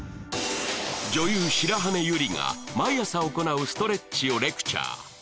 女優・白羽ゆりが毎朝行うストレッチをレクチャー